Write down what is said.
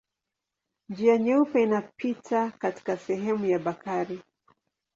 Njia Nyeupe inapita katika sehemu ya Bakari.